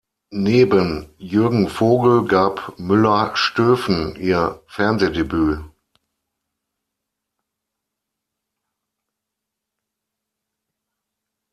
Neben Jürgen Vogel gab Mueller-Stöfen ihr Fernsehdebüt.